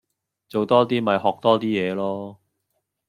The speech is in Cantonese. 做多啲咪學多啲野囉